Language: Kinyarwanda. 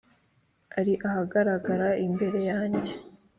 Ari ahagarara imbere yanjye .